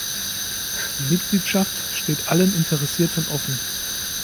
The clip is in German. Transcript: Die Mitgliedschaft steht allen Interessierten offen.